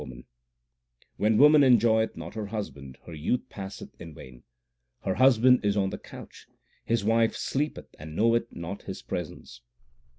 HYMNS OF GURU NANAK 269 When woman enjoyeth not her Husband, her youth passct li in vain. Her Husband is on the couch ; his wife sleepeth and knoweth not His presence.